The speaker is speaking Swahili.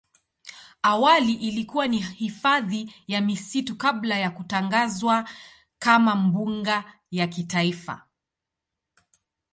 Awali ilikuwa ni hifadhi ya misitu kabla ya kutangazwa kama mbuga ya kitaifa.